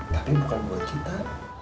tapi bukan buat kita